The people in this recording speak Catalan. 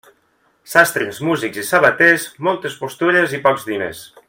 Sastres, músics i sabaters, moltes postures i pocs diners.